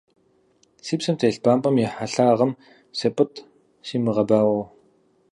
Си псэм телъ бампӏэм и хьэлъагъым сепӀытӀ, симыгъэбауэу.